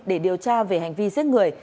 để điều tra về hành vi rất nhiều